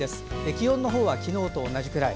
気温は昨日と同じくらい。